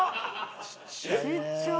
ちっちゃいね。